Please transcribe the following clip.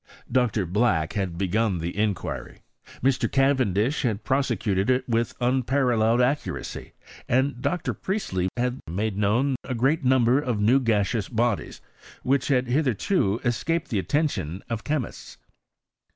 Dr. Black had begun the inquiry — Mr. Cavendish had prosecuted it with unparalleled ac curacy— and Dr. Priestley had made known a great number of new gaseous bodies, which had hitherto escaped the attention of chemists.